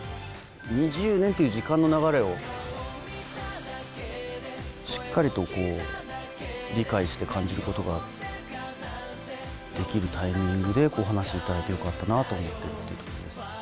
２０年っていう時間の流れを、しっかりとこう、理解して感じることができるタイミングで、お話しいただいてよかったなって思ってるところです。